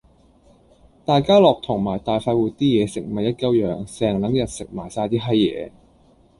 大家樂同埋大快活啲嘢食咪一鳩樣，成撚日食埋晒啲閪野